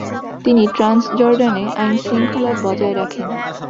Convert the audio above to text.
তিনি ট্রান্সজর্ডানে আইনশৃঙ্খলা বজায় রাখেন।